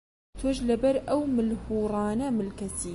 تۆش لەبەر ئەو ملهوڕانە ملکەچی؟